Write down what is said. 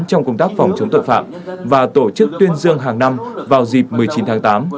trong công tác phòng chống tội phạm và tổ chức tuyên dương hàng năm vào dịp một mươi chín tháng tám